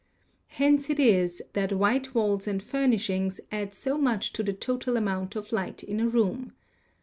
Hence it is that white walls and furnishings add so much to the total amount of light in a room.